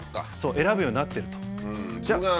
選ぶようになっていると。